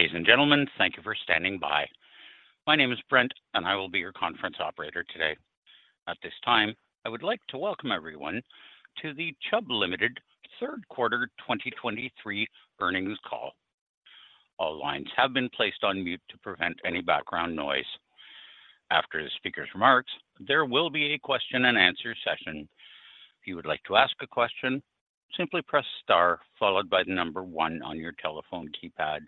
Ladies and gentlemen, thank you for standing by. My name is Brent, and I will be your conference operator today. At this time, I would like to welcome everyone to the Chubb Limited Third Quarter 2023 earnings call. All lines have been placed on mute to prevent any background noise. After the speaker's remarks, there will be a question-and-answer session. If you would like to ask a question, simply press star followed by the number one on your telephone keypad.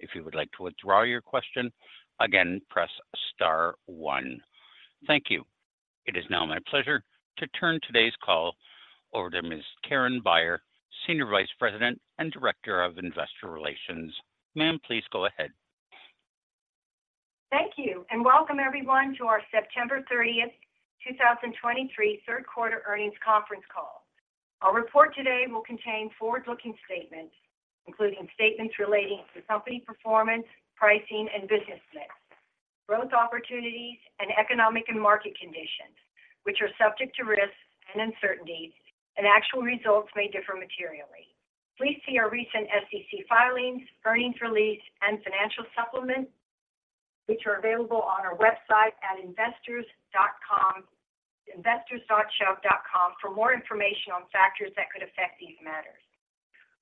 If you would like to withdraw your question, again, press star one. Thank you. It is now my pleasure to turn today's call over to Ms. Karen Bayer, Senior Vice President and Director of Investor Relations. Ma'am, please go ahead. Thank you, and welcome everyone to our September 30th, 2023 third quarter earnings conference call. Our report today will contain forward-looking statements, including statements relating to company performance, pricing, and business mix, growth opportunities, and economic and market conditions, which are subject to risks and uncertainties, and actual results may differ materially. Please see our recent SEC filings, earnings release, and financial supplements, which are available on our website at investors.com, investors.chubb.com for more information on factors that could affect these matters.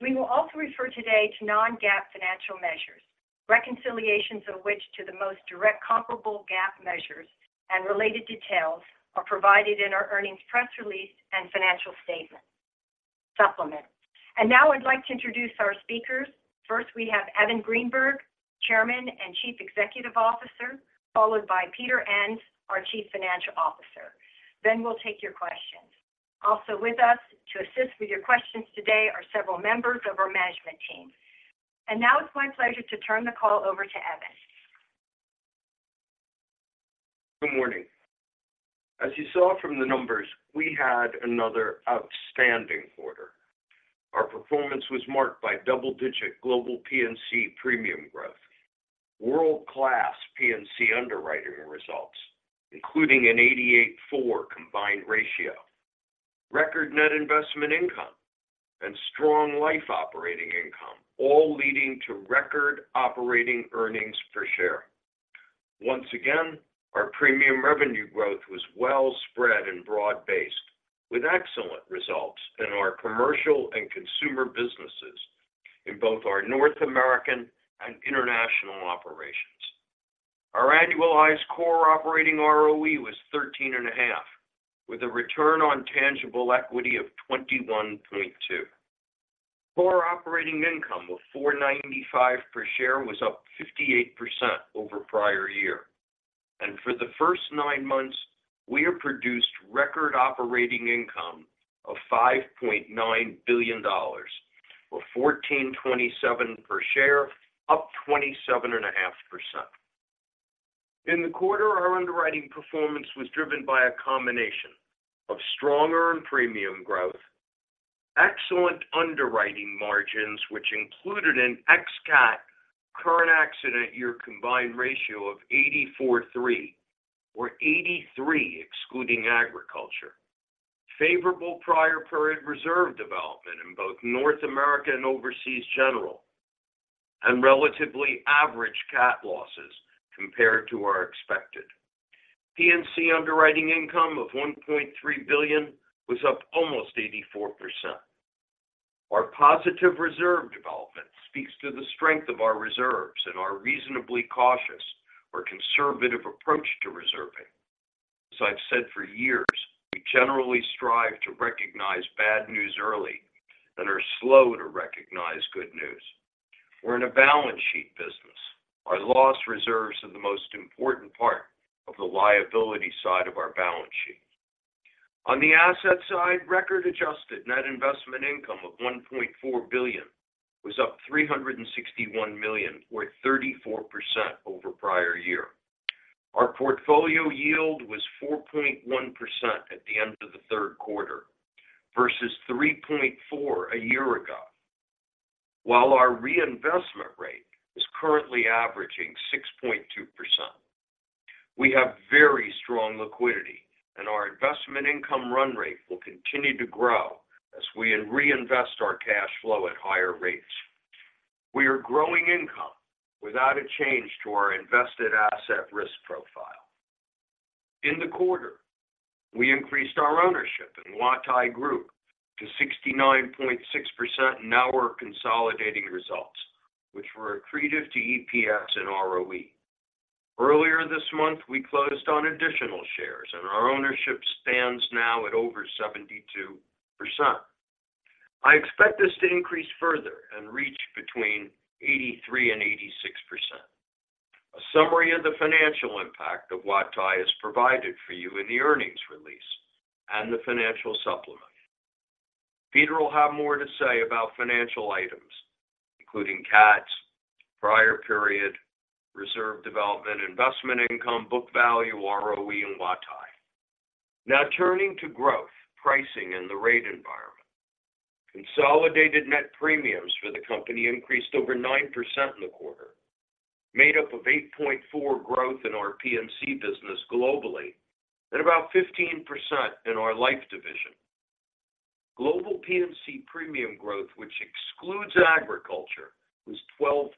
We will also refer today to non-GAAP financial measures, reconciliations of which to the most direct comparable GAAP measures and related details are provided in our earnings press release and financial statement supplement. And now I'd like to introduce our speakers. First, we have Evan Greenberg, Chairman and Chief Executive Officer, followed by Peter Enns, our Chief Financial Officer. Then we'll take your questions. Also with us to assist with your questions today are several members of our management team. Now it's my pleasure to turn the call over to Evan. Good morning. As you saw from the numbers, we had another outstanding quarter. Our performance was marked by double-digit global P&C premium growth, world-class P&C underwriting results, including an 88.4 combined ratio, record net investment income, and strong life operating income, all leading to record operating earnings per share. Once again, our premium revenue growth was well spread and broad-based, with excellent results in our commercial and consumer businesses in both our North American and international operations. Our annualized core operating ROE was 13.5, with a return on tangible equity of 21.2. Core operating income of 4.95 per share was up 58% over prior year, and for the first nine months, we have produced record operating income of $5.9 billion, or 14.27 per share, up 27.5%. In the quarter, our underwriting performance was driven by a combination of stronger and premium growth, excellent underwriting margins, which included an ex-CAT current accident year combined ratio of 84.3 or 83 excluding agriculture. Favorable prior period reserve development in both North America and Overseas General, and relatively average CAT losses compared to our expected. P&C underwriting income of $1.3 billion was up almost 84%. Our positive reserve development speaks to the strength of our reserves and our reasonably cautious or conservative approach to reserving. As I've said for years, we generally strive to recognize bad news early and are slow to recognize good news. We're in a balance sheet business. Our loss reserves are the most important part of the liability side of our balance sheet. On the asset side, recorded adjusted net investment income of $1.4 billion was up $361 million, or 34% over prior year. Our portfolio yield was 4.1% at the end of the third quarter versus 3.4% a year ago. While our reinvestment rate is currently averaging 6.2%. We have very strong liquidity and our investment income run rate will continue to grow as we reinvest our cash flow at higher rates. We are growing income without a change to our invested asset risk profile. In the quarter, we increased our ownership in Huatai Group to 69.6% in our consolidating results, which were accretive to EPS and ROE. Earlier this month, we closed on additional shares, and our ownership stands now at over 72%. I expect this to increase further and reach between 83% and 86%. A summary of the financial impact of Huatai is provided for you in the earnings release and the financial supplement. Peter will have more to say about financial items, including CAT, prior period, reserve development, investment income, book value, ROE, and Huatai. Now, turning to growth, pricing, and the rate environment. Consolidated net premiums for the company increased over 9% in the quarter, made up of 8.4% growth in our P&C business globally and about 15% in our life division. Global P&C premium growth, which excludes agriculture, was 12.3%,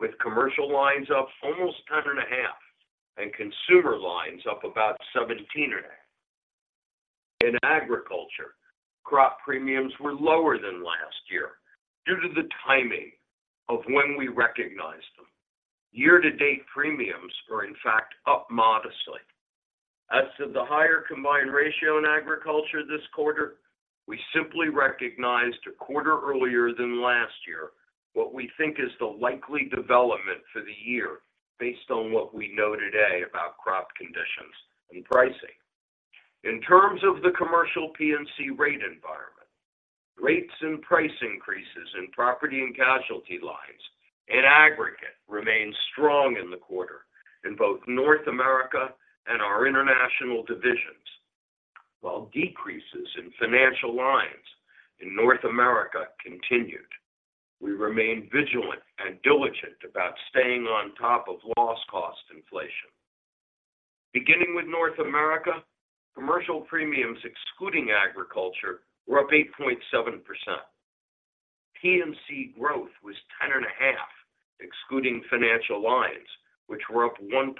with commercial lines up almost 10.5%, and consumer lines up about 17.5%. In agriculture, crop premiums were lower than last year due to the timing of when we recognized them. Year-to-date premiums are in fact up modestly. As to the higher combined ratio in agriculture this quarter, we simply recognized a quarter earlier than last year, what we think is the likely development for the year, based on what we know today about crop conditions and pricing. In terms of the commercial P&C rate environment, rates and price increases in property and casualty lines in aggregate remained strong in the quarter in both North America and our international divisions. While decreases in financial lines in North America continued, we remain vigilant and diligent about staying on top of loss cost inflation. Beginning with North America, commercial premiums excluding agriculture, were up 8.7%. P&C growth was 10.5%, excluding financial lines, which were up 1%.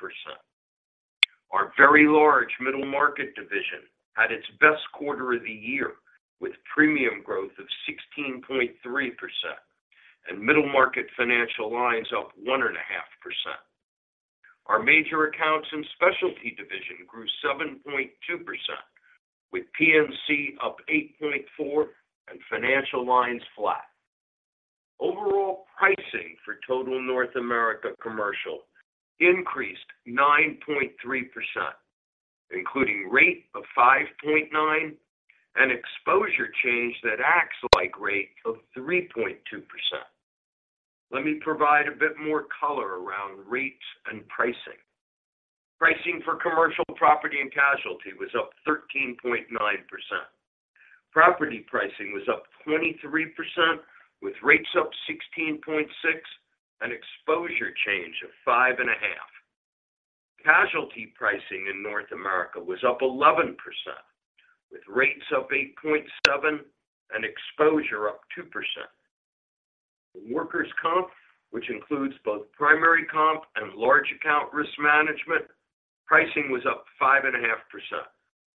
Our very large middle market division had its best quarter of the year, with premium growth of 16.3% and middle market financial lines up 1.5%. Our major accounts and specialty division grew 7.2%, with P&C up 8.4% and financial lines flat. Overall pricing for total North America Commercial increased 9.3%, including rate of 5.9 and exposure change that acts like rate of 3.2%. Let me provide a bit more color around rates and pricing. Pricing for commercial property and casualty was up 13.9%. Property pricing was up 23%, with rates up 16.6%, and exposure change of 5.5%. Casualty pricing in North America was up 11%, with rates up 8.7% and exposure up 2%. Workers' comp, which includes both primary comp and large account risk management, pricing was up 5.5%,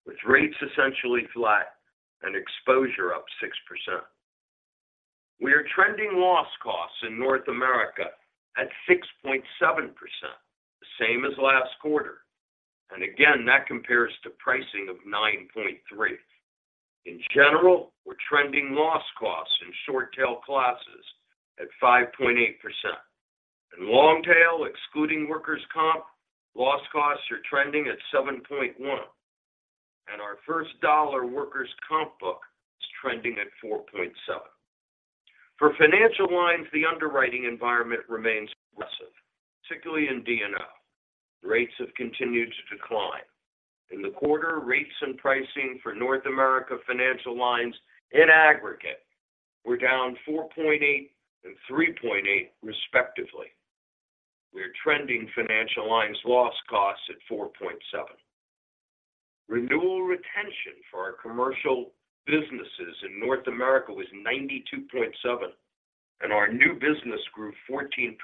with rates essentially flat and exposure up 6%. We are trending loss costs in North America at 6.7%, the same as last quarter, and again that compares to pricing of 9.3%. In general, we're trending loss costs in short tail classes at 5.8%. In long tail, excluding workers' comp, loss costs are trending at 7.1%, and our first dollar workers' comp book is trending at 4.7%. For financial lines, the underwriting environment remains aggressive, particularly in D&O. Rates have continued to decline. In the quarter, rates and pricing for North America Financial Lines in aggregate were down 4.8% and 3.8% respectively. We are trending financial lines loss costs at 4.7%. Renewal retention for our commercial businesses in North America was 92.7%, and our new business grew 14%.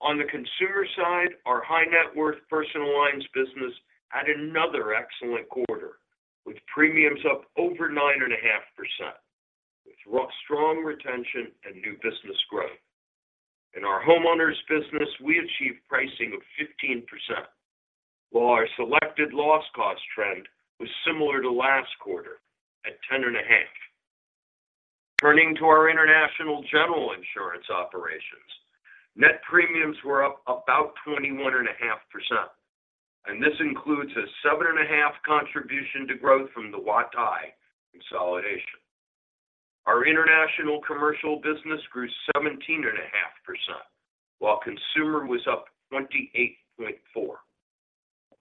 On the consumer side, our high-net-worth personal lines business had another excellent quarter, with premiums up over 9.5%, with rock-solid retention and new business growth. In our homeowners business, we achieved pricing of 15%, while our selected loss cost trend was similar to last quarter at 10.5%. Turning to our international general insurance operations, net premiums were up about 21.5%, and this includes a 7.5% contribution to growth from the Huatai consolidation. Our international commercial business grew 17.5%, while consumer was up 28.4%.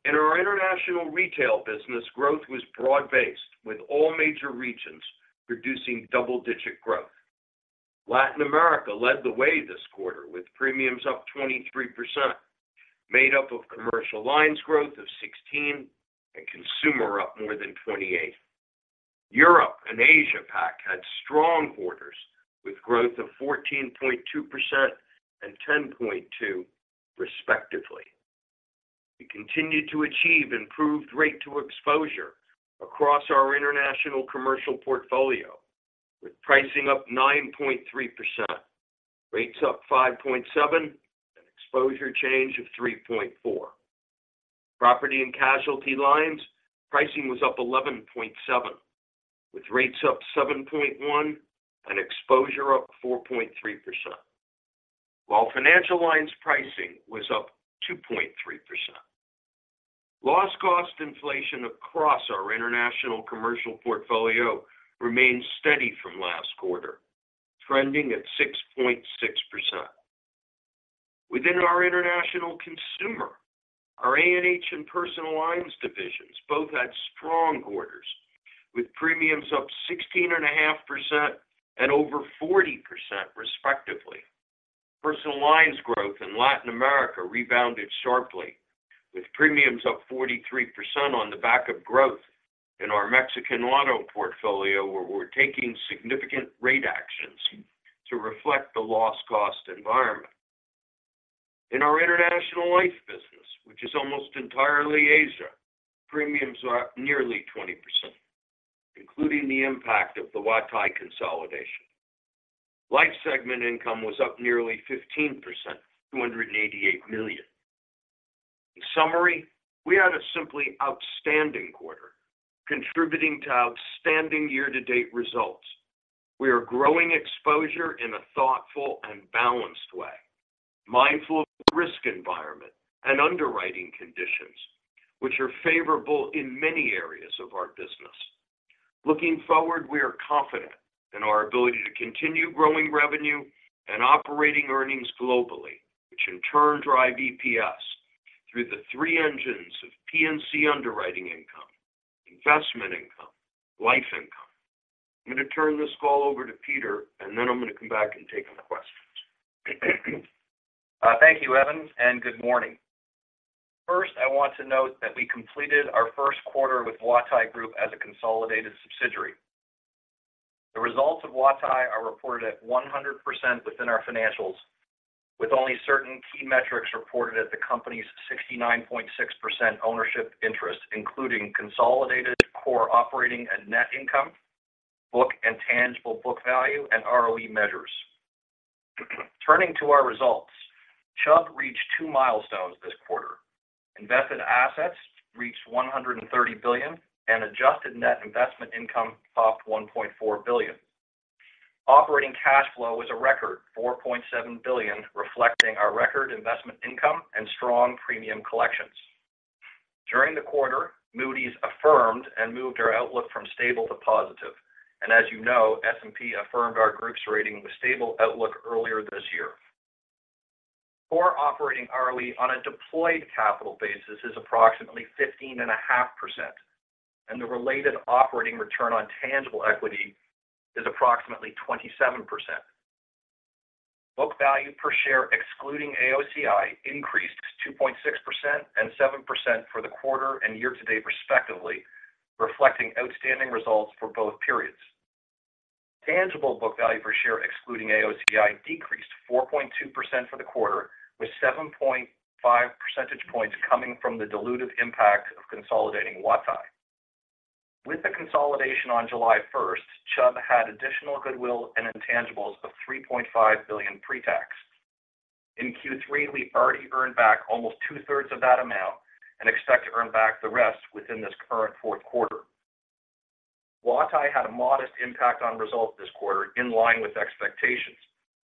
In our international retail business, growth was broad-based, with all major regions producing double-digit growth. Latin America led the way this quarter, with premiums up 23%, made up of commercial lines growth of 16% and consumer up more than 28%. Europe and Asia Pac had strong quarters, with growth of 14.2% and 10.2% respectively. We continued to achieve improved rate to exposure across our international commercial portfolio, with pricing up 9.3%, rates up 5.7%, and exposure change of 3.4%. Property and casualty lines, pricing was up 11.7%, with rates up 7.1% and exposure up 4.3%. While financial lines pricing was up 2.3%. Loss cost inflation across our international commercial portfolio remains steady from last quarter, trending at 6.6%. Within our international consumer, our A&H and personal lines divisions both had strong quarters. With premiums up 16.5% and over 40% respectively. Personal lines growth in Latin America rebounded sharply, with premiums up 43% on the back of growth in our Mexican auto portfolio, where we're taking significant rate actions to reflect the loss cost environment. In our international life business, which is almost entirely Asia, premiums are up nearly 20%, including the impact of the Huatai consolidation. Life segment income was up nearly 15%, $288 million. In summary, we had a simply outstanding quarter, contributing to outstanding year-to-date results. We are growing exposure in a thoughtful and balanced way, mindful of the risk environment and underwriting conditions, which are favorable in many areas of our business. Looking forward, we are confident in our ability to continue growing revenue and operating earnings globally, which in turn drive EPS through the three engines of P&C underwriting income, investment income, life income. I'm going to turn this call over to Peter, and then I'm going to come back and take some questions. Thank you, Evan, and good morning. First, I want to note that we completed our first quarter with Huatai Group as a consolidated subsidiary. The results of Huatai are reported at 100% within our financials, with only certain key metrics reported at the company's 69.6% ownership interest, including consolidated core operating and net income, book and tangible book value, and ROE measures. Turning to our results, Chubb reached two milestones this quarter. Invested assets reached $130 billion, and adjusted net investment income topped $1.4 billion. Operating cash flow was a record $4.7 billion, reflecting our record investment income and strong premium collections. During the quarter, Moody's affirmed and moved our outlook from stable to positive, and as you know, S&P affirmed our group's rating with stable outlook earlier this year. Core operating ROE on a deployed capital basis is approximately 15.5%, and the related operating return on tangible equity is approximately 27%. Book value per share, excluding AOCI, increased 2.6% and 7% for the quarter and year to date, respectively, reflecting outstanding results for both periods. Tangible book value per share, excluding AOCI, decreased 4.2% for the quarter, with 7.5 percentage points coming from the dilutive impact of consolidating Huatai. With the consolidation on July 1st, Chubb had additional goodwill and intangibles of $3.5 billion pre-tax. In Q3, we've already earned back almost two-thirds of that amount and expect to earn back the rest within this current fourth quarter. Huatai had a modest impact on results this quarter, in line with expectations,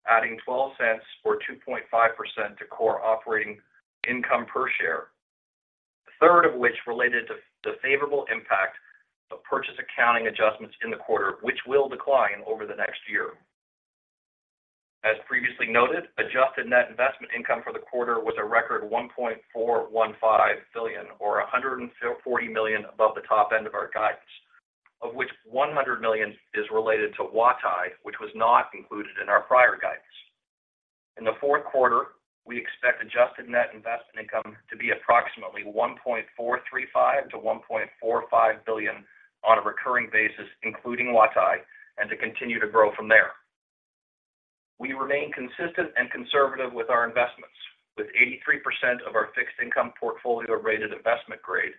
adding $0.12 or 2.5% to core operating income per share, a third of which related to the favorable impact of purchase accounting adjustments in the quarter, which will decline over the next year. As previously noted, adjusted net investment income for the quarter was a record $1.415 billion or $140 million above the top end of our guidance, of which $100 million is related to Huatai, which was not included in our prior guidance. In the fourth quarter, we expect adjusted net investment income to be approximately $1.435 billion-$1.45 billion on a recurring basis, including Huatai, and to continue to grow from there. We remain consistent and conservative with our investments, with 83% of our fixed income portfolio rated investment grade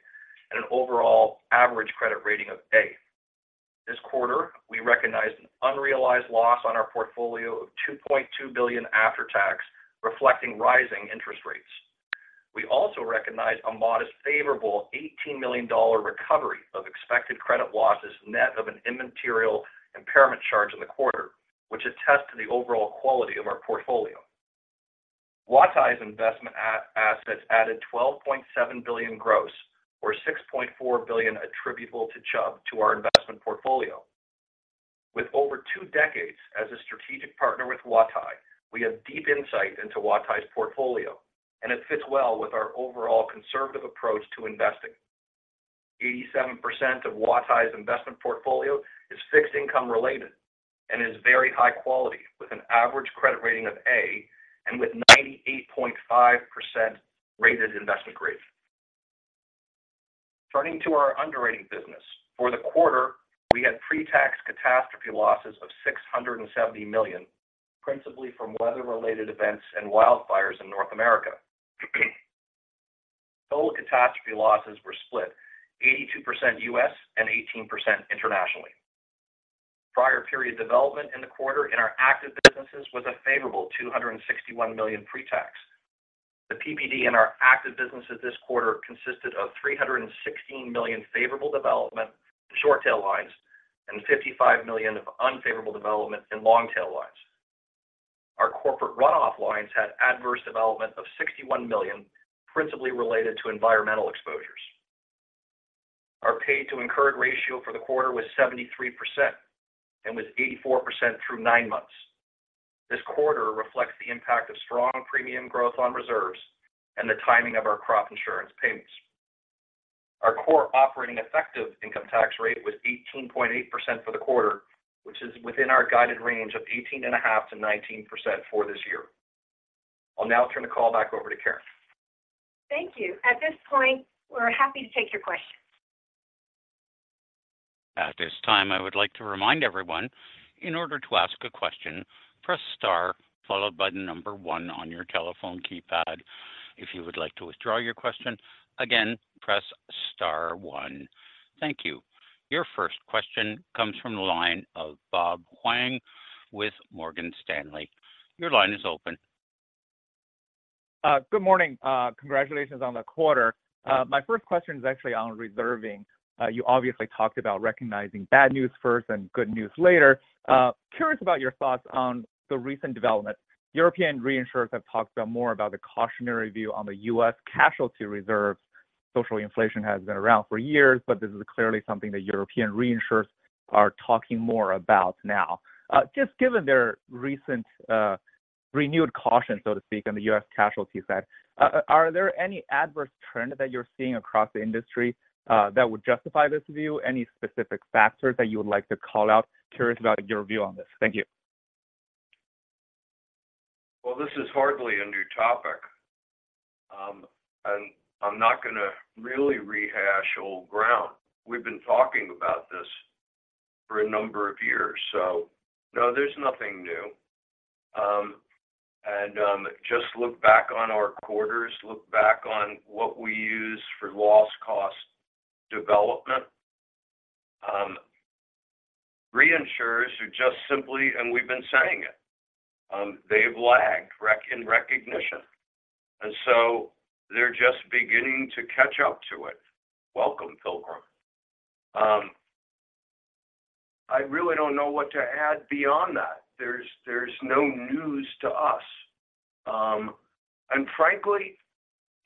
and an overall average credit rating of A. This quarter, we recognized an unrealized loss on our portfolio of $2.2 billion after tax, reflecting rising interest rates. We also recognized a modest, favorable $18 million recovery of expected credit losses, net of an immaterial impairment charge in the quarter, which attests to the overall quality of our portfolio. Huatai's investment assets added $12.7 billion gross or $6.4 billion attributable to Chubb to our investment portfolio. With over two decades as a strategic partner with Huatai, we have deep insight into Huatai's portfolio, and it fits well with our overall conservative approach to investing. 87% of Huatai's investment portfolio is fixed income related and is very high quality, with an average credit rating of A and with 98.5% rated investment grade. Turning to our underwriting business. For the quarter, we had pre-tax catastrophe losses of $670 million, principally from weather-related events and wildfires in North America. Total catastrophe losses were split 82% U.S. and 18% internationally. Prior period development in the quarter in our active businesses was a favorable $261 million pre-tax. The PPD in our active businesses this quarter consisted of $316 million favorable development in short tail lines and $55 million of unfavorable development in long tail lines. Our corporate runoff lines had adverse development of $61 million, principally related to environmental exposures. Our paid to incurred ratio for the quarter was 73% and was 84% through nine months. .This quarter reflects the impact of strong premium growth on reserves and the timing of our crop insurance payments. Our core operating effective income tax rate was 18.8% for the quarter, which is within our guided range of 18.5%-19% for this year. I'll now turn the call back over to Karen. Thank you. At this point, we're happy to take your questions. At this time, I would like to remind everyone, in order to ask a question, press Star, followed by the number one on your telephone keypad. If you would like to withdraw your question again, press Star one. Thank you. Your first question comes from the line of Bob Huang with Morgan Stanley. Your line is open. Good morning. Congratulations on the quarter. My first question is actually on reserving. You obviously talked about recognizing bad news first and good news later. Curious about your thoughts on the recent development. European reinsurers have talked about more the cautionary view on the U.S. casualty reserves. Social Inflation has been around for years, but this is clearly something that European reinsurers are talking more about now. Just given their recent, renewed caution, so to speak, on the U.S. casualty side, are there any adverse trends that you're seeing across the industry, that would justify this view? Any specific factors that you would like to call out? Curious about your view on this. Thank you. Well, this is hardly a new topic, and I'm not going to really rehash old ground. We've been talking about this for a number of years, so no, there's nothing new. And, just look back on our quarters. Look back on what we use for loss cost development. Reinsurers are just simply and we've been saying it, they've lagged rec in recognition, and so they're just beginning to catch up to it. Welcome, pilgrim. I really don't know what to add beyond that. There's no news to us. And frankly,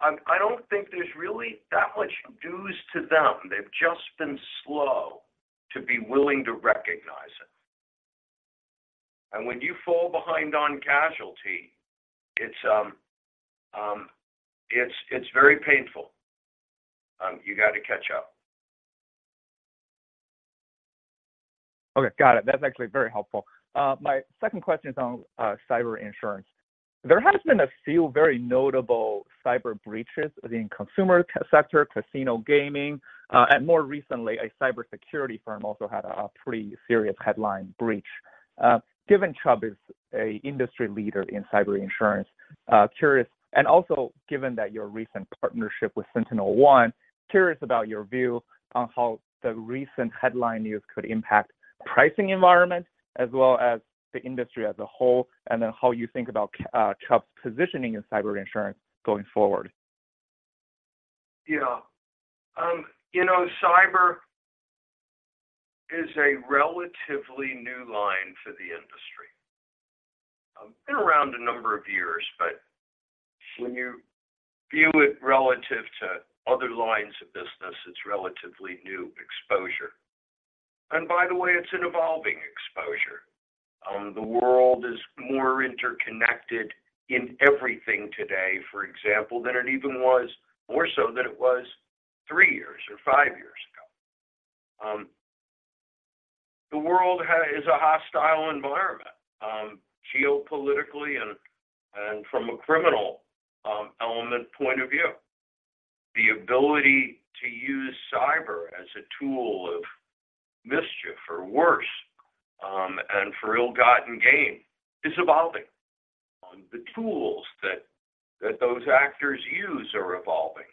I don't think there's really that much news to them. They've just been slow to be willing to recognize it. And when you fall behind on casualty, it's very painful, you got to catch up. Okay, got it. That's actually very helpful. My second question is on cyber insurance. There has been a few very notable cyber breaches in consumer sector, casino gaming, and more recently, a cybersecurity firm also had a pretty serious headline breach. Given Chubb is a industry leader in cyber insurance, curious and also given that your recent partnership with SentinelOne, curious about your view on how the recent headline news could impact pricing environment as well as the industry as a whole, and then how you think about Chubb's positioning in cyber insurance going forward? Yeah. You know, cyber is a relatively new line for the industry. Been around a number of years, but when you view it relative to other lines of business, it's relatively new exposure. And by the way, it's an evolving exposure. The world is more interconnected in everything today, for example, than it even was, more so than it was three years or five years ago. The world is a hostile environment, geopolitically and from a criminal element point of view. The ability to use cyber as a tool of mischief or worse, and for ill-gotten gain is evolving. The tools that those actors use are evolving.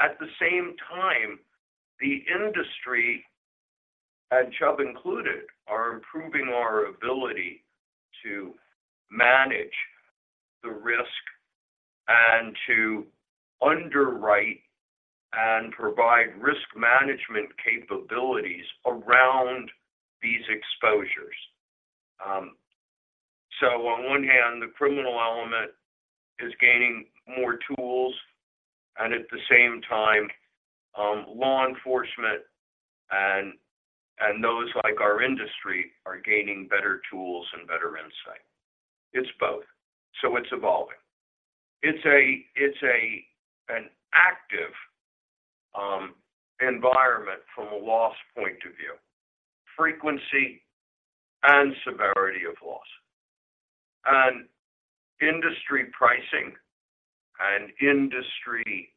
At the same time, the industry, and Chubb included, are improving our ability to manage the risk and to underwrite and provide risk management capabilities around these exposures. So on one hand, the criminal element is gaining more tools, and at the same time, law enforcement and those like our industry are gaining better tools and better insight. It's both. So it's evolving. It's an active environment from a loss point of view, frequency and severity of loss. Industry pricing and industry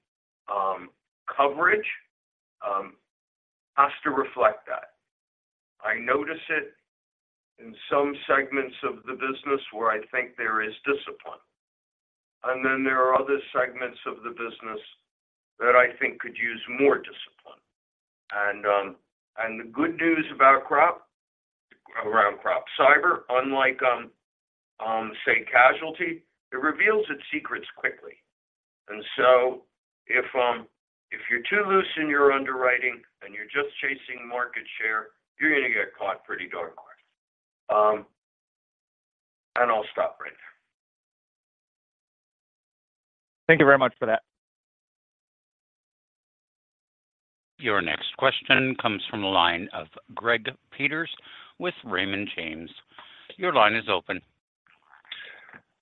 coverage has to reflect that. I notice it in some segments of the business where I think there is discipline, and then there are other segments of the business that I think could use more discipline. And the good news about crop, around crop, cyber, unlike say, casualty, it reveals its secrets quickly. And so if you're too loose in your underwriting and you're just chasing market share, you're going to get caught pretty darn hard. And I'll stop right there. Thank you very much for that. Your next question comes from the line of Greg Peters with Raymond James. Your line is open.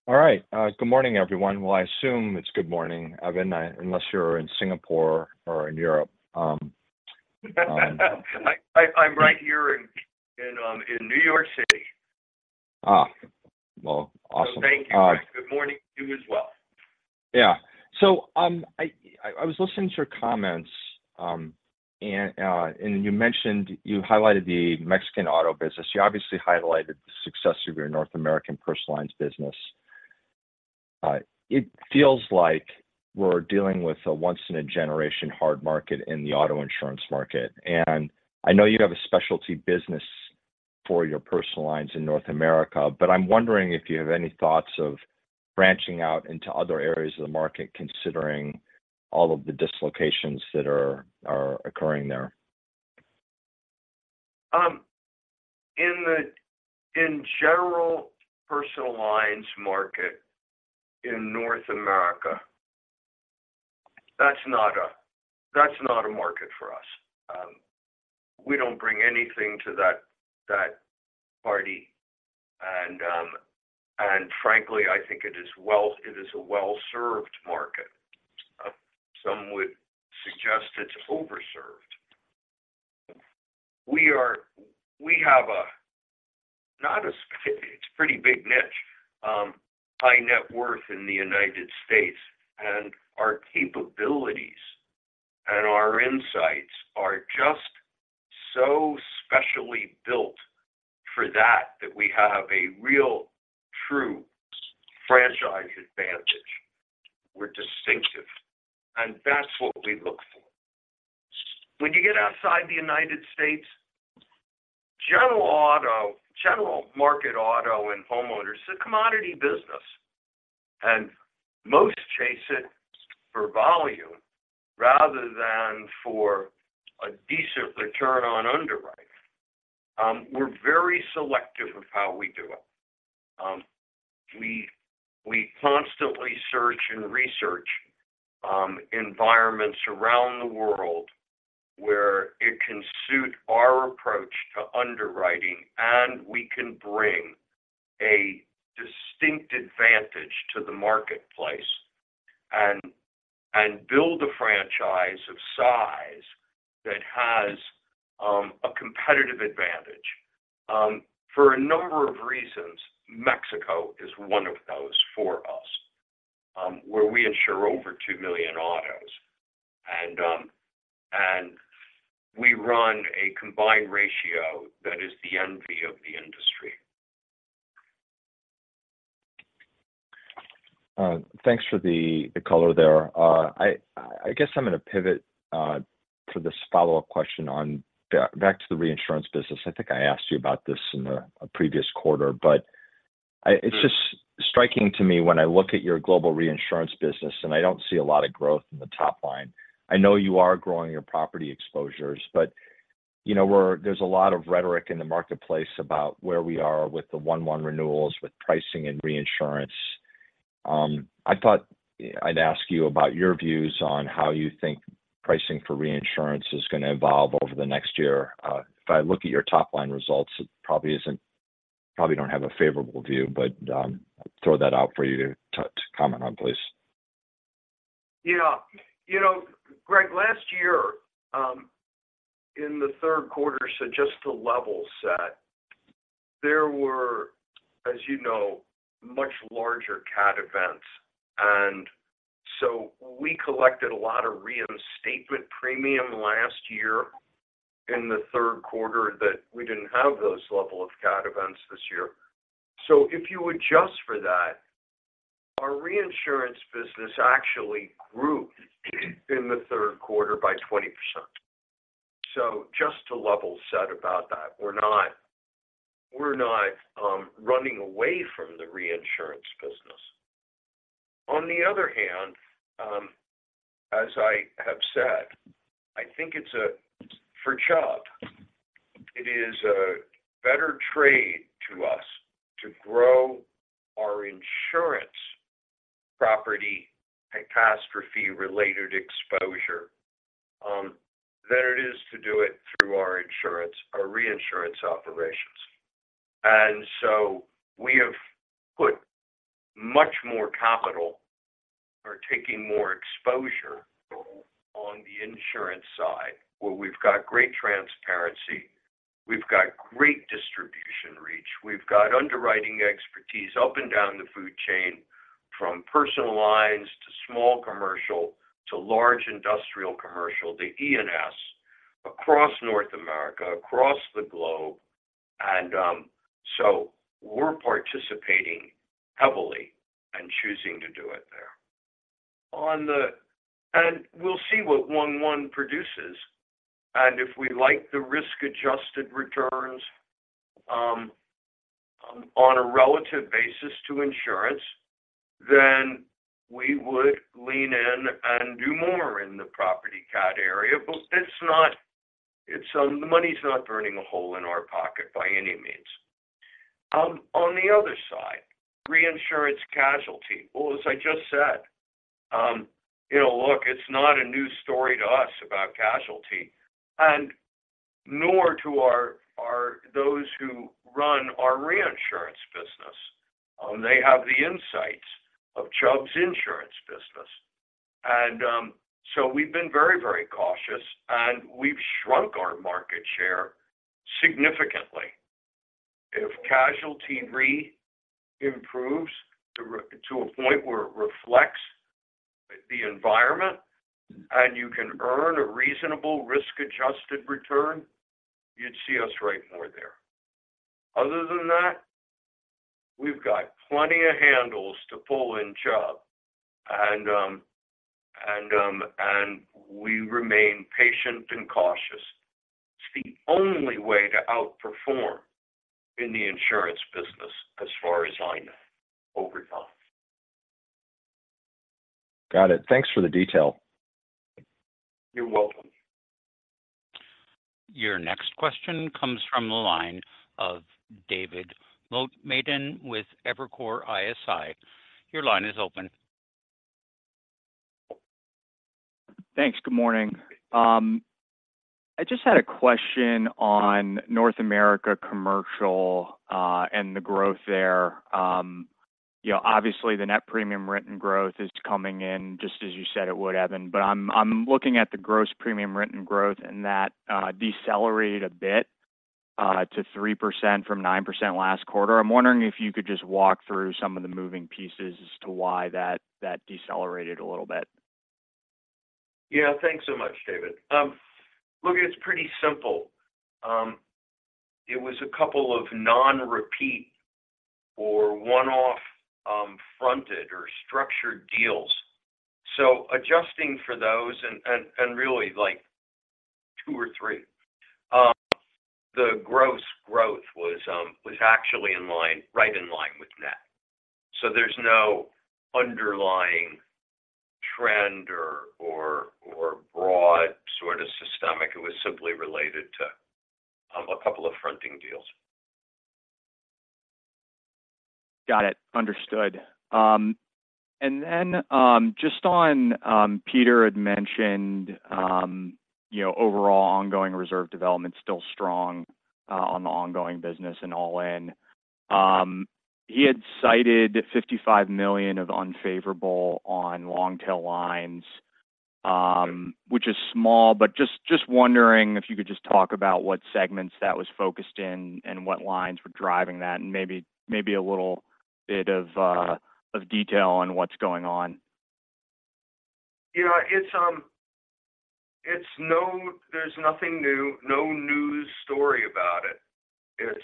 All right. Good morning, everyone. Well, I assume it's good morning, Evan, unless you're in Singapore or in Europe. I'm right here in New York City. Ah, well, awesome. Thank you, Greg. Good morning to you as well. Yeah. So, I was listening to your comments, and you mentioned - you highlighted the Mexican auto business. You obviously highlighted the success of your North American personal lines business. It feels like we're dealing with a once-in-a-generation hard market in the auto insurance market, and I know you have a specialty business for your personal lines in North America, but I'm wondering if you have any thoughts of branching out into other areas of the market, considering all of the dislocations that are occurring there? In general personal lines market in North America, that's not a market for us. We don't bring anything to that party, and frankly, I think it is well a well-served market. Some would suggest it's over-served. We have a, not a... It's a pretty big niche, high net worth in the United States, and our capabilities and our insights are just so specially built for that, that we have a real true franchise advantage. We're distinctive, and that's what we look for. When you get outside the United States, general auto, general market auto and homeowners, it's a commodity business, and most chase it for volume rather than for a decent return on underwriting. We're very selective of how we do it. We constantly search and research environments around the world where it can suit our approach to underwriting, and we can bring a distinct advantage to the marketplace and build a franchise of size that has a competitive advantage. For a number of reasons, Mexico is one of those for us, where we insure over 2 million autos, and we run a combined ratio that is the envy of the industry. Thanks for the color there. I guess I'm going to pivot for this follow-up question back to the reinsurance business. I think I asked you about this in a previous quarter, but it's just striking to me when I look at your global reinsurance business, and I don't see a lot of growth in the top line. I know you are growing your property exposures, but you know, there's a lot of rhetoric in the marketplace about where we are with the 1/1 renewals, with pricing and reinsurance. I thought I'd ask you about your views on how you think pricing for reinsurance is going to evolve over the next year. If I look at your top-line results, it probably isn't, probably don't have a favorable view, but throw that out for you to comment on, please. Yeah. You know, Greg, last year, in the third quarter, so just to level set, there were, as you know, much larger cat events, and so we collected a lot of reinstatement premium last year in the third quarter, that we didn't have those level of cat events this year. So if you adjust for that, our reinsurance business actually grew in the third quarter by 20%. So just to level set about that, we're not running away from the reinsurance business. On the other hand, as I have said, I think it's a, for Chubb, it is a better trade to us to grow our insurance property, catastrophe-related exposure, than it is to do it through our insurance or reinsurance operations. We have put much more capital or taking more exposure on the insurance side, where we've got great transparency, we've got great distribution reach, we've got underwriting expertise up and down the food chain, from personal lines to small commercial to large industrial commercial, to E&S across North America, across the globe. We're participating heavily and choosing to do it there. We'll see what 1/1 produces, and if we like the risk-adjusted returns, on a relative basis to insurance, then we would lean in and do more in the property cat area. But it's not. It's the money's not burning a hole in our pocket by any means. On the other side, reinsurance casualty. Well, as I just said, you know, look, it's not a new story to us about casualty, and nor to our, are those who run our reinsurance business. They have the insights of Chubb's insurance business. And, so we've been very, very cautious, and we've shrunk our market share significantly. If casualty re improves to a point where it reflects the environment, and you can earn a reasonable risk-adjusted return, you'd see us write more there. Other than that, we've got plenty of handles to pull in Chubb, and, and we remain patient and cautious. It's the only way to outperform in the insurance business as far as I know. Over to you. Got it. Thanks for the detail. You're welcome. Your next question comes from the line of David Motemaden with Evercore ISI. Your line is open. Thanks. Good morning. I just had a question on North America commercial, and the growth there. You know, obviously, the net premium written growth is coming in just as you said it would, Evan. But I'm looking at the gross premium written growth, and that decelerated a bit to 3% from 9% last quarter. I'm wondering if you could just walk through some of the moving pieces as to why that decelerated a little bit. Yeah. Thanks so much, David. Look, it's pretty simple. It was a couple of non-repeat or one-off, fronted or structured deals. So adjusting for those and really, like two or three, the gross growth was actually in line, right in line with net. So there's no underlying trend or broad sort of systemic. It was simply related to a couple of fronting deals. Got it. Understood. Then, just on, Peter had mentioned, you know, overall ongoing reserve development still strong, on the ongoing business and all in. He had cited $55 million of unfavorable on long-tail lines, which is small, but just wondering if you could just talk about what segments that was focused in and what lines were driving that, and maybe a little bit of detail on what's going on. You know, it's nothing new, no news story about it. It's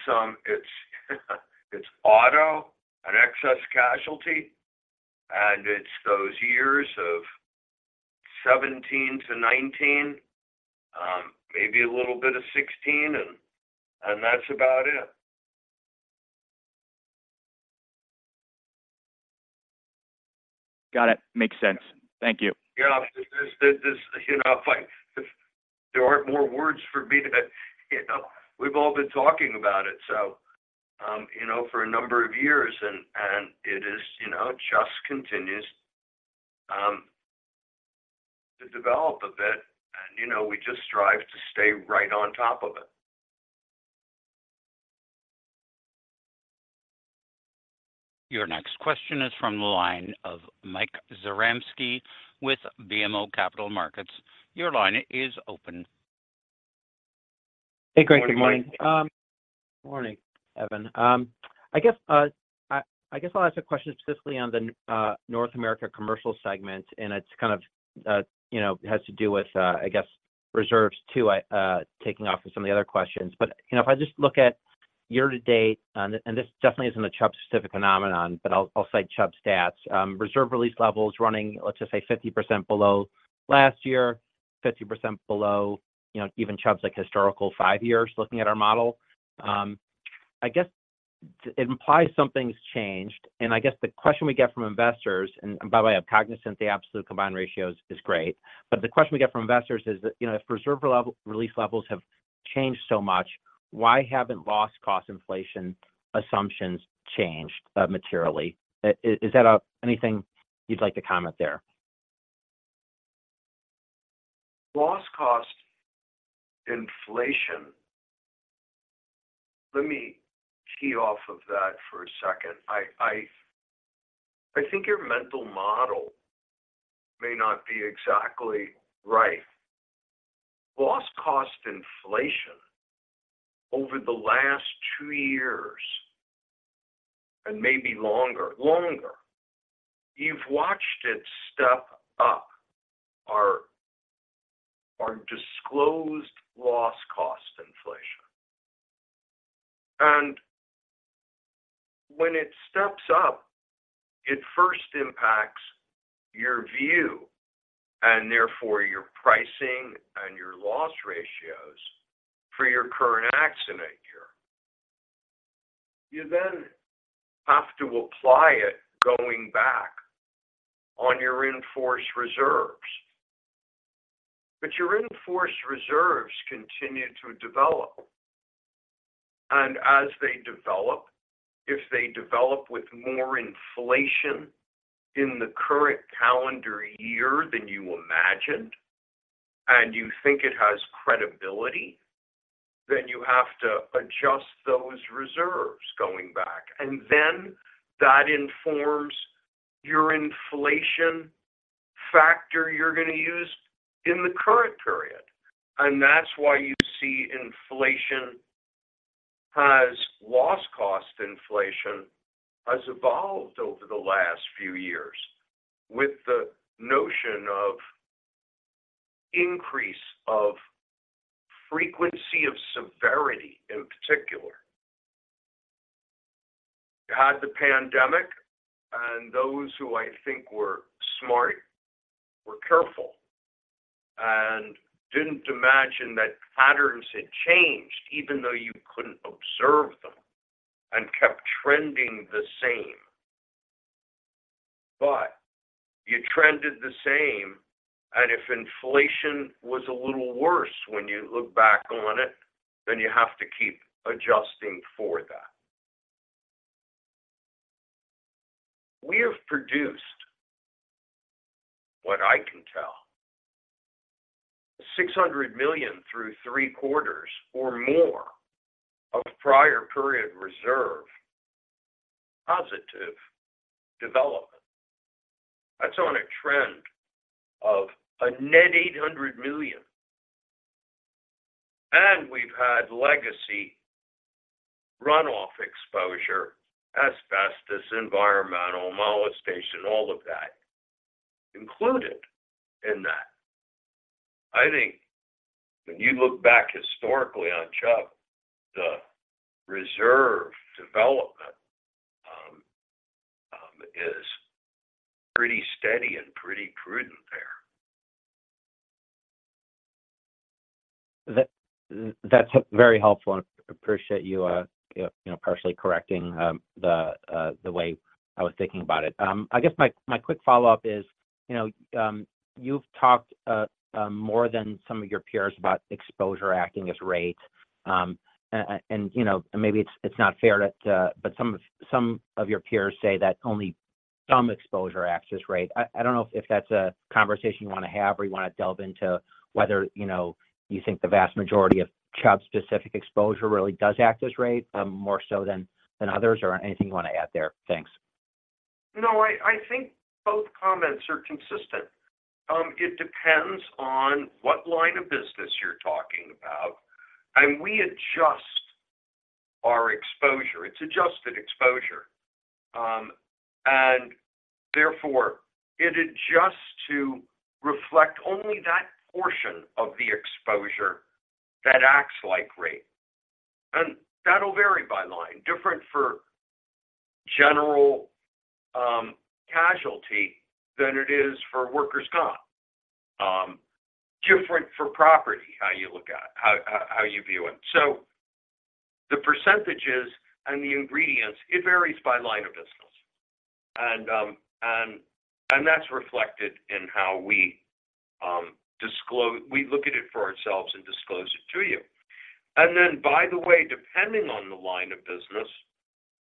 auto and excess casualty, and it's those years of 2017 to 2019, maybe a little bit of 2016 and that's about it. Got it. Makes sense. Thank you. Yeah, this, you know, like, there aren't more words for me to, you know. We've all been talking about it, so, you know, for a number of years, and it is, you know, just continues to develop a bit. You know, we just strive to stay right on top of it. Your next question is from the line of Mike Zaremski with BMO Capital Markets. Your line is open. Hey, great. Good morning. Good morning. Good morning, Evan. I guess I'll ask a question specifically on the North America commercial segment, and it's kind of, you know, has to do with, I guess, reserves, too, taking off from some of the other questions. But, you know, if I just look at year to date, and this definitely isn't a Chubb-specific phenomenon, but I'll cite Chubb stats. Reserve release levels running, let's just say, 50% below last year, 50% below, you know, even Chubb's, like, historical five years, looking at our model. I guess it implies something's changed. I guess the question we get from investors, and by the way, I'm cognizant the absolute Combined Ratios is great, but the question we get from investors is that, you know, if reserve level, release levels have changed so much, why haven't loss cost inflation assumptions changed materially? Is that anything you'd like to comment there? Loss cost inflation. Let me tee off of that for a second. I think your mental model may not be exactly right. Loss cost inflation over the last two years, and maybe longer, longer, you've watched it step up our, our disclosed loss cost inflation. And when it steps up, it first impacts your view, and therefore your pricing and your loss ratios for your current accident year. You then have to apply it going back on your reinforced reserves but your enforced reserves continue to develop. And as they develop, if they develop with more inflation in the current calendar year than you imagined, and you think it has credibility, then you have to adjust those reserves going back, and then that informs your inflation factor you're going to use in the current period. And that's why you see inflation has, loss cost inflation has evolved over the last few years with the notion of increase of frequency of severity in particular. You had the pandemic, and those who I think were smart were careful, and didn't imagine that patterns had changed, even though you couldn't observe them, and kept trending the same. But you trended the same, and if inflation was a little worse when you look back on it, then you have to keep adjusting for that. We have produced, what I can tell, $600 million through three quarters or more of prior period reserve, positive development. That's on a trend of a net $800 million. And we've had legacy runoff exposure, asbestos, environmental, molestation, all of that included in that. I think when you look back historically on Chubb, the reserve development is pretty steady and pretty prudent there. That, that's very helpful, and appreciate you, you know, partially correcting the way I was thinking about it. I guess my quick follow-up is, you know, you've talked more than some of your peers about exposure acting as rate. And you know maybe it's not fair that, but some of your peers say that only some exposure acts as rate. I don't know if that's a conversation you want to have, or you want to delve into whether, you know, you think the vast majority of Chubb's specific exposure really does act as rate, more so than others, or anything you want to add there? Thanks. No, I think both comments are consistent. It depends on what line of business you're talking about, and we adjust our exposure. It's adjusted exposure. And therefore, it adjusts to reflect only that portion of the exposure that acts like rate, and that'll vary by line. Different for general casualty than it is for workers' comp. Different for property, how you look at it, how you view it. So the percentages and the ingredients, it varies by line of business. And that's reflected in how we disclose—we look at it for ourselves and disclose it to you. And then, by the way, depending on the line of business,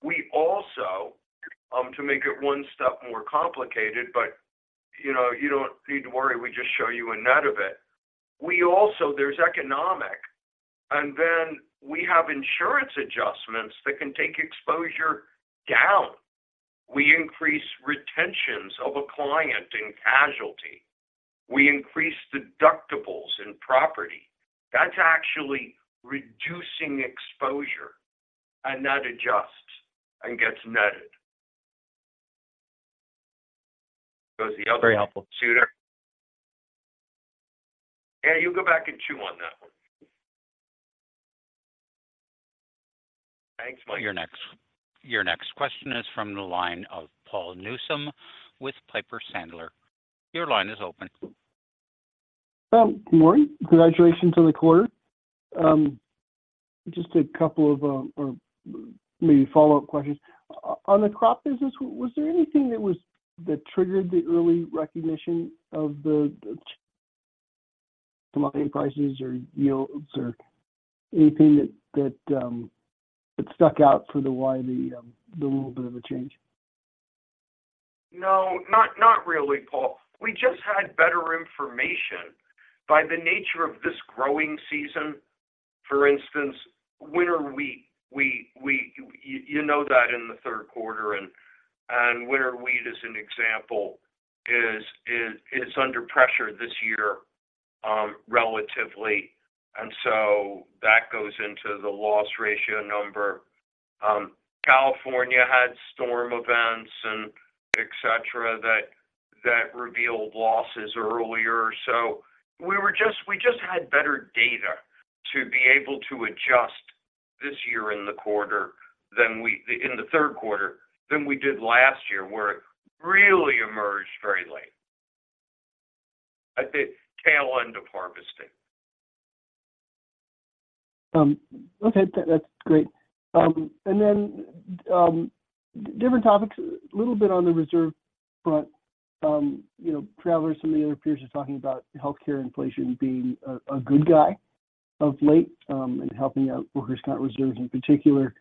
we also to make it one step more complicated, but you know, you don't need to worry, we just show you a net of it. We also, there's economic, and then we have insurance adjustments that can take exposure down. We increase retentions of a client in casualty. We increase deductibles in property. That's actually reducing exposure, and that adjusts and gets netted. Goes the other- Very helpful. Suitor. Yeah, you go back and chew on that one. Thanks, Mike. Your next question is from the line of Paul Newsome with Piper Sandler. Your line is open. Good morning. Congratulations on the quarter. Just a couple of, or maybe follow-up questions. On the crop business, was there anything that triggered the early recognition of the commodity prices or yields, or anything that stuck out for why the little bit of a change? No, not really, Paul. We just had better information. By the nature of this growing season, for instance, winter wheat, you know that in the third quarter, and winter wheat, as an example is under pressure this year, relatively, and so that goes into the loss ratio number. California had storm events and et cetera that revealed losses earlier. So we just had better data to be able to adjust this year in the quarter than we did in the third quarter last year, where it really emerged very late. At the tail end of harvesting. Okay, that, that's great. And then, different topics, a little bit on the reserve front. You know, Travelers and some of the other peers are talking about healthcare inflation being a good guy of late, and helping out workers' comp reserves in particular.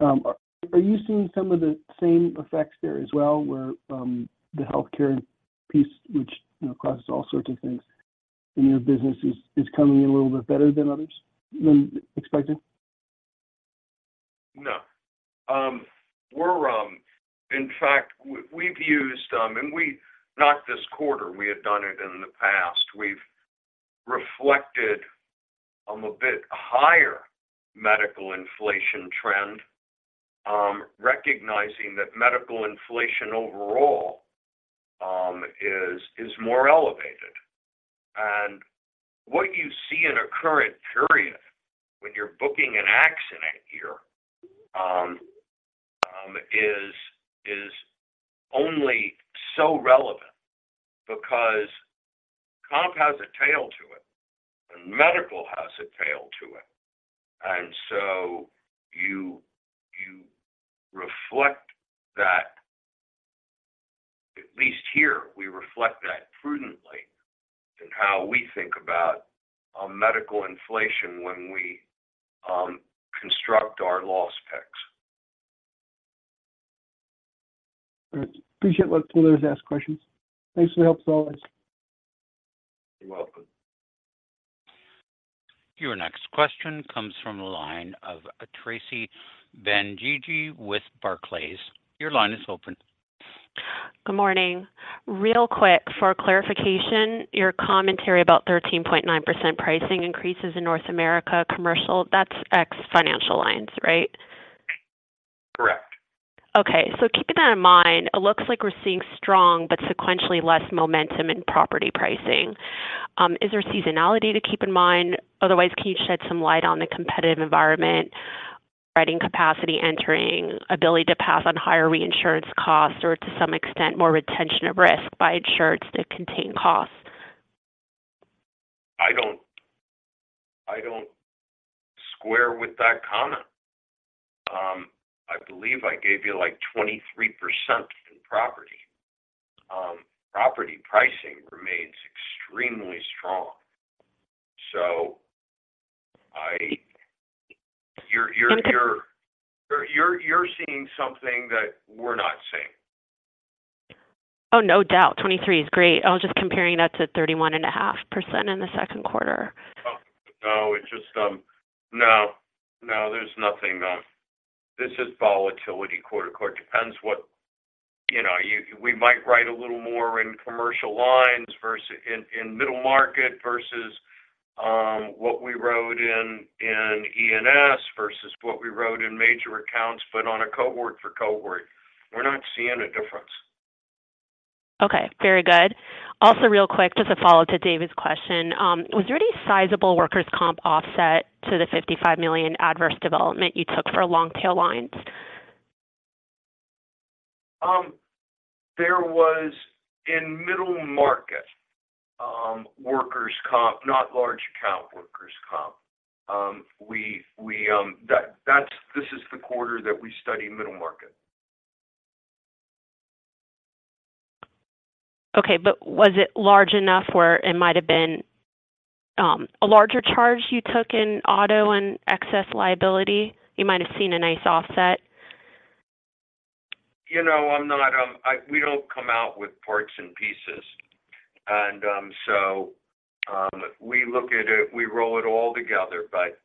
Are you seeing some of the same effects there as well, where the healthcare piece, which, you know, crosses all sorts of things in your business, is coming in a little bit better than others than expected? No. In fact, we've used, and we—not this quarter, we have done it in the past, we've reflected a bit higher medical inflation trend, recognizing that medical inflation overall is more elevated. And what you see in a current period when you're booking an accident year is only so relevant because comp has a tail to it, and medical has a tail to it. And so you reflect that, at least here, we reflect that prudently in how we think about medical inflation when we construct our loss picks. All right. Appreciate letting us ask questions. Thanks for the help, as always. You're welcome. Your next question comes from the line of Tracy Benguigui with Barclays. Your line is open. Good morning. Real quick, for clarification, your commentary about 13.9% pricing increases in North America commercial, that's ex financial lines, right? Correct. Okay, so keeping that in mind, it looks like we're seeing strong but sequentially less momentum in property pricing. Is there seasonality to keep in mind? Otherwise, can you shed some light on the competitive environment, writing capacity, entering, ability to pass on higher reinsurance costs, or to some extent, more retention of risk by insureds to contain costs? I don't square with that comment. I believe I gave you, like, 23% in property. Property pricing remains extremely strong, so I... You're, you're, you're- Okay. You're seeing something that we're not seeing. Oh, no doubt. 23% is great. I was just comparing that to 31.5% in the second quarter. Oh, no, it's just. No, no, there's nothing. This is volatility quarter to quarter. Depends what, you know, we might write a little more in commercial lines versus in middle market, versus what we wrote in E&S, versus what we wrote in major accounts. But on a cohort-for-cohort, we're not seeing a difference. Okay, very good. Also real quick just a follow-up to David's question. Was there any sizable workers' comp offset to the $55 million adverse development you took for long tail lines? There was in middle market workers' comp, not large account workers' comp. We, that, that's this is the quarter that we study middle market. Okay, but was it large enough where it might have been, a larger charge you took in auto and excess liability? You might have seen a nice offset. You know, I'm not, we don't come out with parts and pieces, and so we look at it, we roll it all together. But,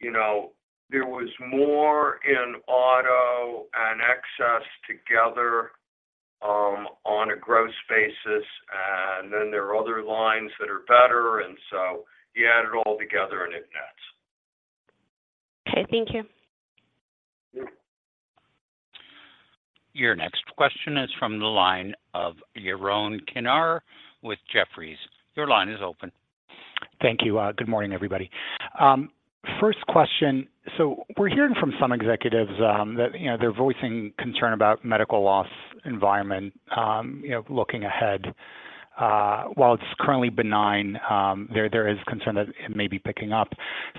you know, there was more in auto and excess together, on a gross basis, and then there are other lines that are better, and so you add it all together, and it nets. Okay, thank you. Yeah. Your next question is from the line of Yaron Kinar with Jefferies. Your line is open. Thank you. Good morning, everybody. First question: so we're hearing from some executives that, you know, they're voicing concern about medical loss environment, you know, looking ahead, while it's currently benign, there is concern that it may be picking up.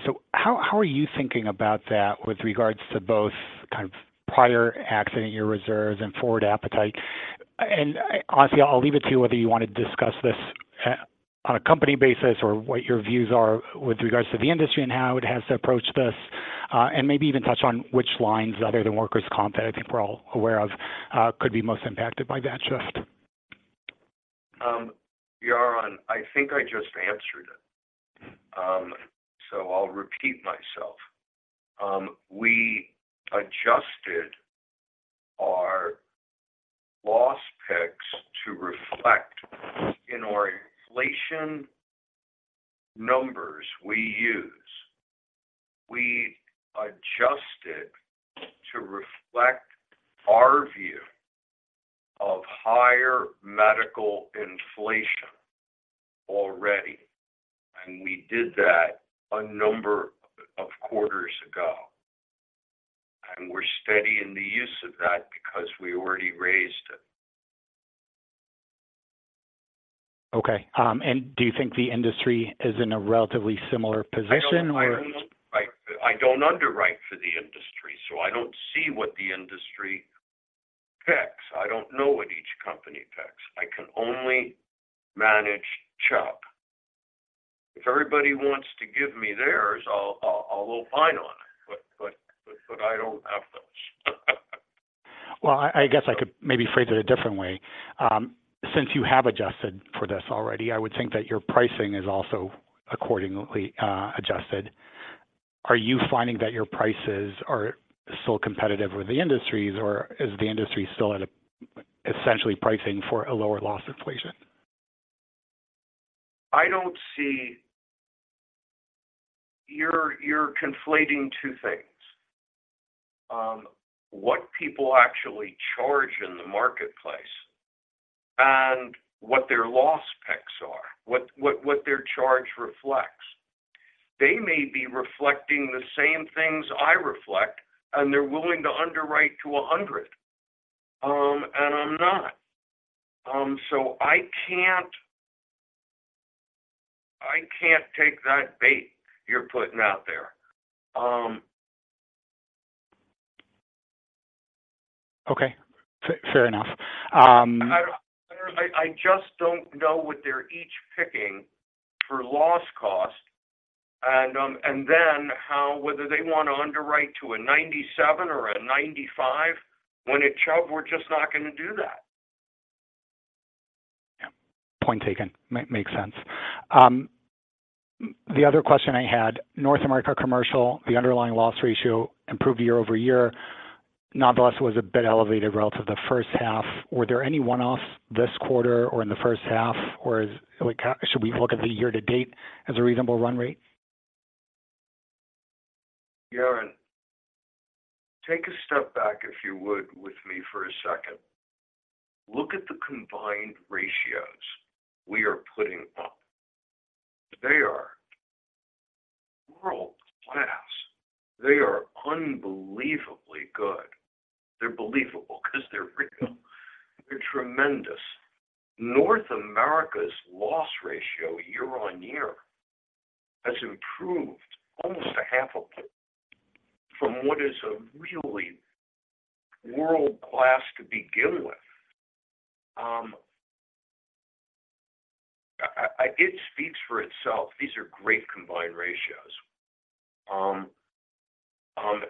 So how are you thinking about that with regards to both kind of prior accident, your reserves and forward appetite? And, obviously, I'll leave it to you whether you want to discuss this on a company basis or what your views are with regards to the industry and how it has to approach this. And maybe even touch on which lines, other than workers' comp, that I think we're all aware of could be most impacted by that shift. Yaron, I think I just answered it. I'll repeat myself. We adjusted our loss picks to reflect in our inflation numbers we use. We adjusted to reflect our view of higher medical inflation already, and we did that a number of quarters ago, and we're steady in the use of that because we already raised it. ... Okay. And do you think the industry is in a relatively similar position or? I don't underwrite for the industry, so I don't see what the industry picks. I don't know what each company picks. I can only manage Chubb. If everybody wants to give me theirs, I'll opine on it, but I don't have those. Well, I guess I could maybe phrase it a different way. Since you have adjusted for this already, I would think that your pricing is also accordingly adjusted. Are you finding that your prices are still competitive with the industry's, or is the industry still at a, essentially pricing for a lower loss inflation? I don't see. You're conflating two things. What people actually charge in the marketplace and what their loss picks are, what their charge reflects. They may be reflecting the same things I reflect, and they're willing to underwrite to 100, and I'm not. So I can't take that bait you're putting out there. Okay, fair, fair enough. I just don't know what they're each picking for loss cost and, and then how, whether they want to underwrite to a 97 or a 95, when at Chubb, we're just not going to do that. Yeah. Point taken. Makes sense. The other question I had, North America commercial, the underlying loss ratio improved year-over-year. Nonetheless, it was a bit elevated relative to the first half. Were there any one-offs this quarter or in the first half, or is, like, should we look at the year-to-date as a reasonable run rate? Yaron, take a step back, if you would, with me for a second. Look at the combined ratios we are putting up. They are world-class. They are unbelievably good. They're believable because they're real. They're tremendous. North America's loss ratio year-on-year has improved almost a half a point from what is a really world-class to begin with. It speaks for itself. These are great combined ratios.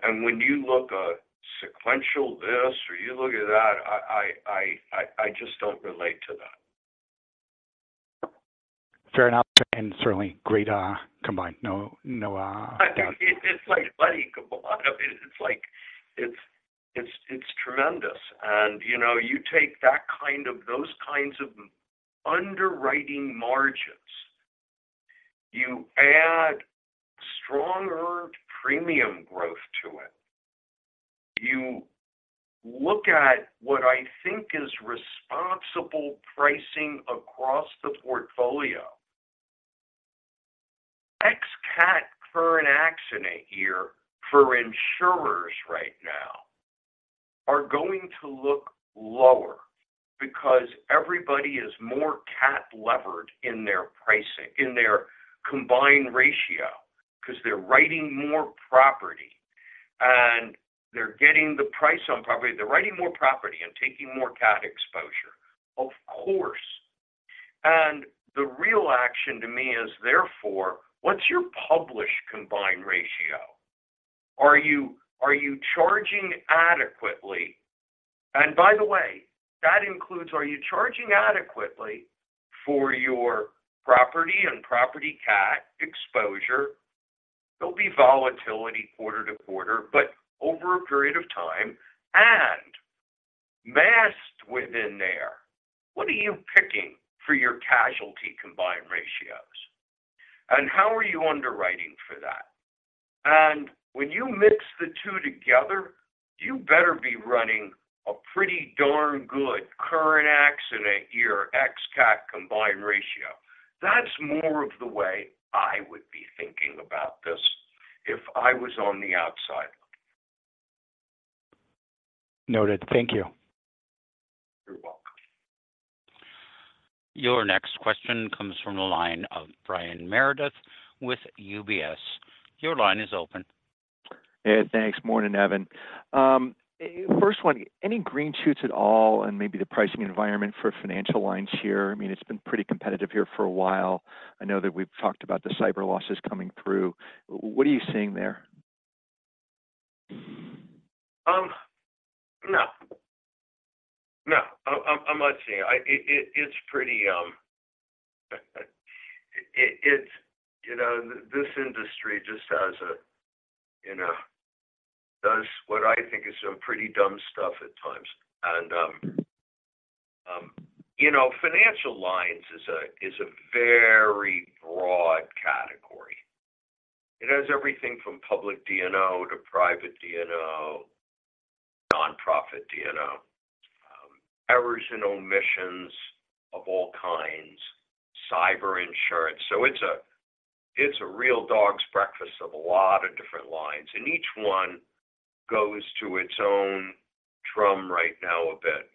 And when you look at sequential this, or you look at that, I just don't relate to that. Fair enough, and certainly great combined. No, no doubt. It's like, buddy, a lot of it. It's like—it's tremendous. And, you know, you take that kind of those kinds of underwriting margins, you add stronger premium growth to it, you look at what I think is responsible pricing across the portfolio. Ex-CAT for an accident year for insurers right now are going to look lower because everybody is more CAT-levered in their pricing, in their Combined Ratio, because they're writing more property, and they're getting the price on property. They're writing more property and taking more CAT exposure. Of course, and the real action to me is, therefore, what's your published Combined Ratio? Are you, are you charging adequately? And by the way, that includes, are you charging adequately for your property and property CAT exposure? There'll be volatility quarter to quarter, but over a period of time and masked within there, what are you picking for your casualty combined ratios, and how are you underwriting for that? And when you mix the two together, you better be running a pretty darn good current accident year, ex-CAT combined ratio. That's more of the way I would be thinking about this if I was on the outside. Noted. Thank you. You're welcome. Your next question comes from the line of Brian Meredith with UBS. Your line is open. Yeah, thanks. Morning, Evan. First one, any green shoots at all, and maybe the pricing environment for financial lines here? I mean, it's been pretty competitive here for a while. I know that we've talked about the cyber losses coming through. What are you seeing there? No. No, I'm not seeing it. It, it's pretty, you know, this industry just has a, you know, does what I think is some pretty dumb stuff at times. You know, financial lines is a very broad category. It has everything from public D&O to private D&O, nonprofit D&O, errors and omissions of all kinds, cyber insurance. So it's a real dog's breakfast of a lot of different lines, and each one goes to its own drum right now a bit.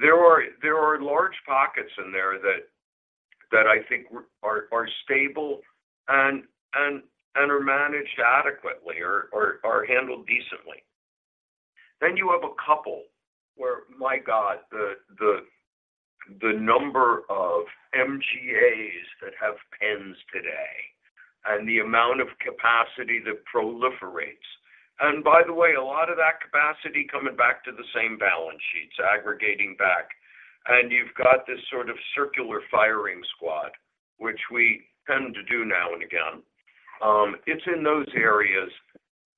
There are large pockets in there that I think are stable and are managed adequately or handled decently. Then you have a couple where, my God, the number of MGAs that have pens today and the amount of capacity that proliferates, and by the way, a lot of that capacity coming back to the same balance sheets, aggregating back. And you've got this sort of circular firing squad, which we tend to do now and again. It's in those areas that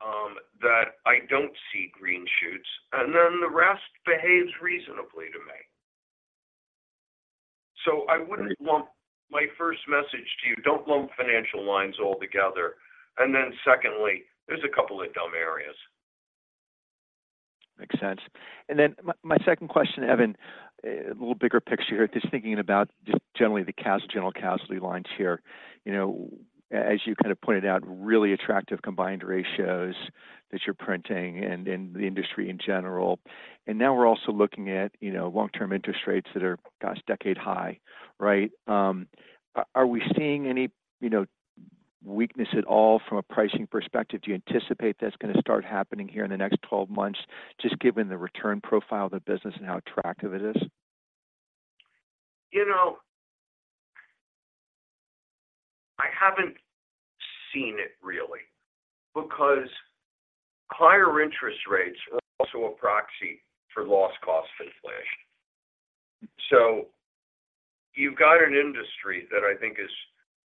I don't see green shoots, and then the rest behaves reasonably to me. So I wouldn't lump, my first message to you, don't lump financial lines all together. And then secondly, there's a couple of dumb areas. Makes sense. Then my second question, Evan, a little bigger picture here. Just thinking about just generally the CAS, general casualty lines here. You know, as you kind of pointed out, really attractive combined ratios that you're printing and the industry in general. Now we're also looking at, you know, long-term interest rates that are, gosh, decade high, right? Are we seeing any, you know, weakness at all from a pricing perspective? Do you anticipate that's going to start happening here in the next 12 months, just given the return profile of the business and how attractive it is? You know, I haven't seen it really, because higher interest rates are also a proxy for loss cost inflation. So you've got an industry that I think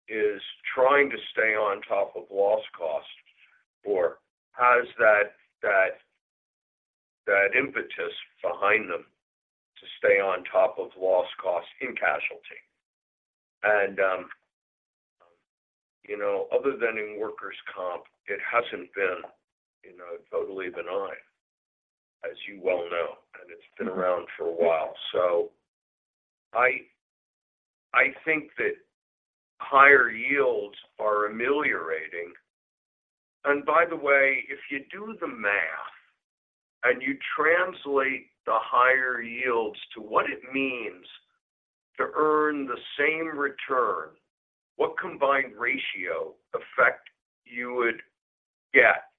is trying to stay on top of loss costs or has that impetus behind them to stay on top of loss costs in casualty. And, you know, other than in workers' comp, it hasn't been, you know, totally benign, as you well know, and it's been around for a while. So I think that higher yields are ameliorating. And by the way, if you do the math and you translate the higher yields to what it means to earn the same return, what combined ratio effect you would get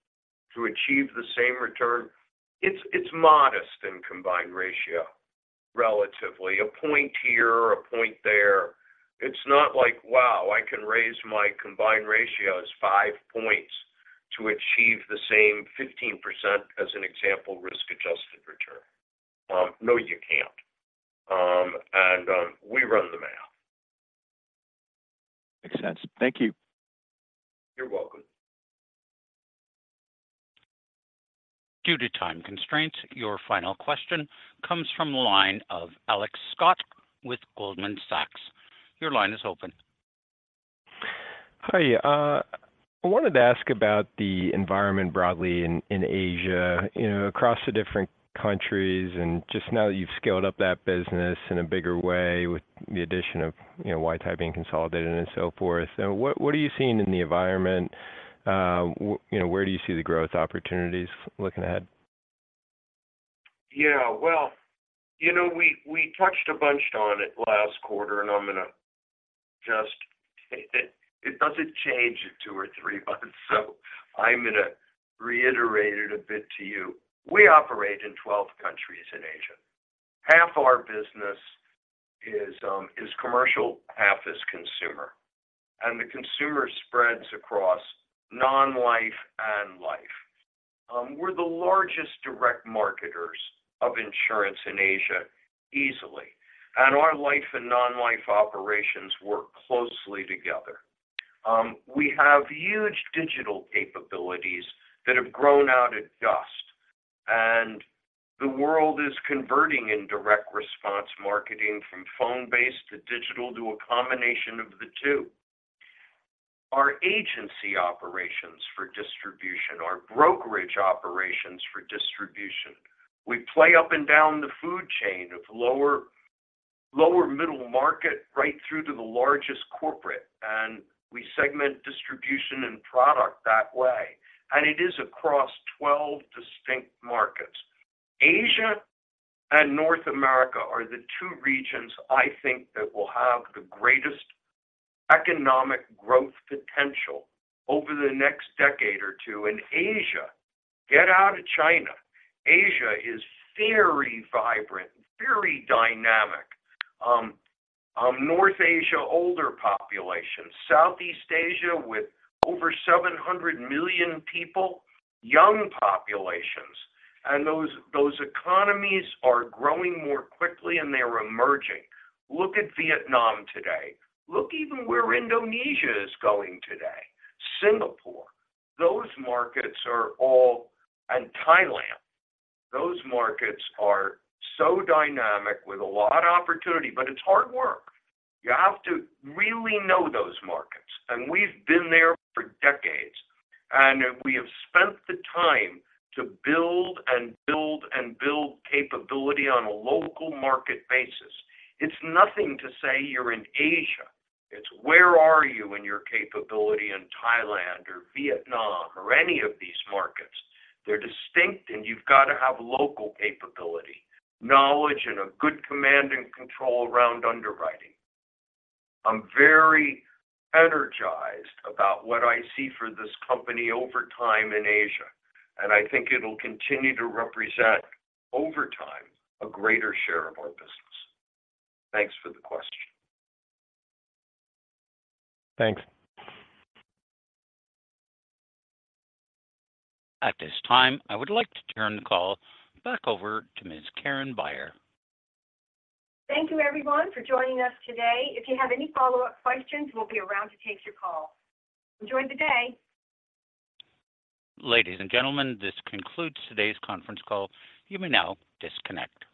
to achieve the same return? It's modest in combined ratio, relatively. A point here, a point there. It's not like, wow, I can raise my combined ratios 5 points to achieve the same 15% as an example, risk-adjusted return. No, you can't. We run the math. Makes sense. Thank you. You're welcome. Due to time constraints, your final question comes from the line of Alex Scott with Goldman Sachs. Your line is open. Hi, I wanted to ask about the environment broadly in, in Asia, you know, across the different countries, and just now that you've scaled up that business in a bigger way with the addition of, you know, Huatai being consolidated and so forth. So what, what are you seeing in the environment? Where do you see the growth opportunities looking ahead? Yeah, well, you know, we, we touched a bunch on it last quarter, and I'm going to just take it. It doesn't change in two or three months, so I'm going to reiterate it a bit to you. We operate in 12 countries in Asia. Half of our business is, is commercial, half is consumer, and the consumer spreads across non-life and life. We're the largest direct marketers of insurance in Asia, easily, and our life and non-life operations work closely together. We have huge digital capabilities that have grown out of dust, and the world is converting in direct response marketing from phone-based to digital, to a combination of the two. Our agency operations for distribution, our brokerage operations for distribution, we play up and down the food chain of lower, lower middle market right through to the largest corporate, and we segment distribution and product that way, and it is across 12 distinct markets. Asia and North America are the two regions I think that will have the greatest economic growth potential over the next decade or two. And Asia, get out of China. Asia is very vibrant, very dynamic. North Asia, older population, Southeast Asia with over 700 million people, young populations, and those economies are growing more quickly, and they're emerging. Look at Vietnam today. Look even where Indonesia is going today. Singapore, those markets are all... And Thailand, those markets are so dynamic with a lot of opportunity, but it's hard work. You have to really know those markets, and we've been there for decades, and we have spent the time to build and build, and build capability on a local market basis. It's nothing to say you're in Asia. It's where are you in your capability in Thailand or Vietnam, or any of these markets? They're distinct, and you've got to have local capability, knowledge, and a good command and control around underwriting. I'm very energized about what I see for this company over time in Asia, and I think it'll continue to represent, over time, a greater share of our business. Thanks for the question. Thanks. At this time, I would like to turn the call back over to Ms. Karen Beyer. Thank you, everyone, for joining us today. If you have any follow-up questions, we'll be around to take your call. Enjoy the day! Ladies and gentlemen, this concludes today's conference call. You may now disconnect.